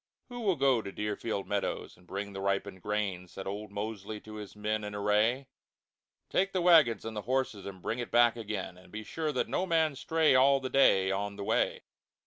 "Who will go to Deerfield Meadows and bring the ripened Grain?" Said old Mosely to his men in Array. "Take the Wagons and the Horses, and bring it back again; But be sure that no Man stray All the Day, on the Way."